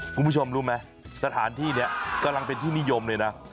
คุณผู้ชมรู้ไหมสถานที่นี้กำลังเป็นที่นิยมเลยนะ